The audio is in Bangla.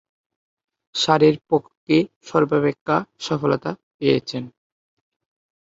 সারের পক্ষে সর্বাপেক্ষা সফলতা পেয়েছেন।